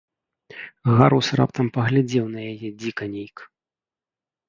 Гарус раптам паглядзеў на яе дзіка нейк.